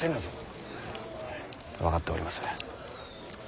分かっております。